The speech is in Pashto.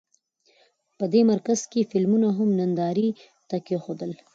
په دې مرکز کې فلمونه هم نندارې ته کېښودل.